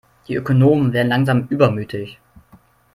Die Ökonomen werden langsam übermütig.